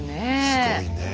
すごいねえ。